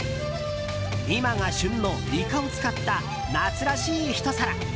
今が旬のイカを使った夏らしいひと皿。